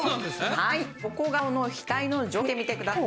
はい横顔の額の上部を見てみてください。